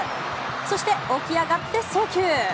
そして、起き上がって送球。